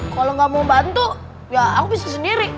kalau nggak mau bantu ya aku bisa sendiri